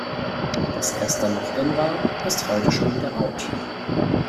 Was gestern noch in war, ist heute schon wieder out.